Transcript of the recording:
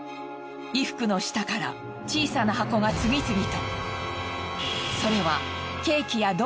衣服の下から小さな箱が次々と。